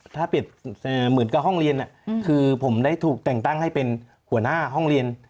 ถ้าปิดเหมือนกับห้องเรียนคือผมได้ถูกแต่งตั้งให้เป็นหัวหน้าห้องเรียน